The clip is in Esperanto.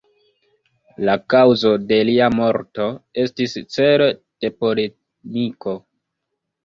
La kaŭzo de lia morto estis celo de polemiko.